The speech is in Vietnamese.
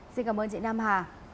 xin cảm ơn chị nam hà